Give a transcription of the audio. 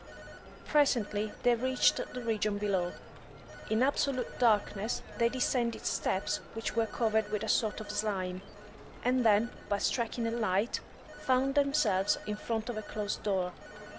Presently they reached the region below. In absolute darkness they descended steps which were covered with a sort of slime, and then, by striking a light, found themselves in front of a closed door.